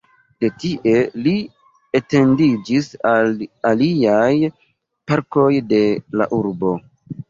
De tie, Ili etendiĝis al aliaj parkoj de la urbo.